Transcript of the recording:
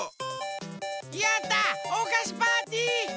やったおかしパーティー！